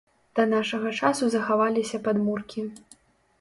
Да нашага часу захаваліся падмуркі.